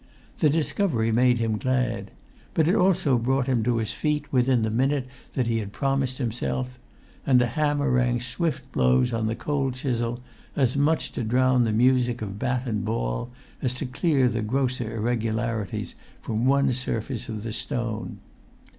The discovery made him glad. But it also brought him to his feet within the minute that he had promised himself; and the hammer rang swift blows on the cold chisel as much to drown the music of bat and ball as to clear the grosser irregularities from one surface of the stone.